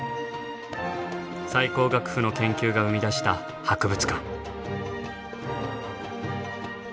最高学府の研究が生み出した博物館。